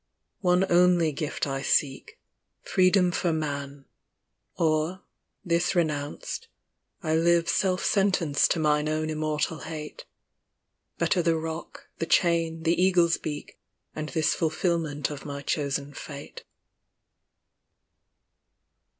One only gift I seek. Freedom for Man ; or, this renounced, I live Self sentenced to mine own immortal hate : Better the rock, the chain, the eagle's beak, And this fulfilment of my chosen fate.